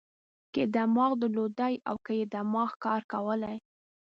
که یې دماغ درلودای او که یې دماغ کار کولای.